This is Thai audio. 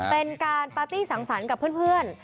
เป็นการปาร์ตี้สังสรรค์กับเพื่อน